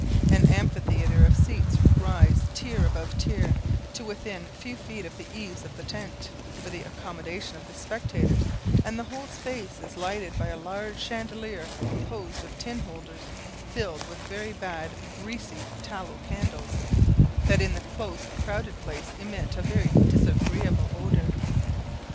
An amphitheatre of seats rise tier above tier, to within a few feet of the eaves of the tent, for the accommodation of the spectators; and the whole space is lighted by a large chandelier, composed of tin holders, filled with very bad, greasy, tallow candles, that in the close crowded place emit a very disagreeable odour.